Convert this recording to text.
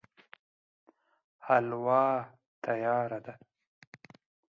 حلوا تياره ده